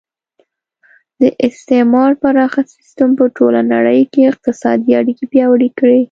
د استعمار پراخه سیسټم په ټوله نړۍ کې اقتصادي اړیکې پیاوړې کړې